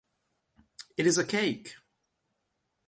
It is a cake.